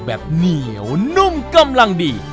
แบบเหนียวนุ่มกำลังดี